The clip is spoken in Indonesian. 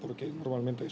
pertama apa pendapat anda